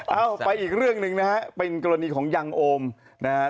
เอาไปอีกเรื่องหนึ่งนะฮะเป็นกรณีของยังโอมนะฮะ